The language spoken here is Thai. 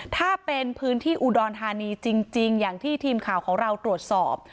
ถ้าเป็นพื้นที่อุดรธานีจริงอย่างที่ทีมข่าวของเราตรวจสอบ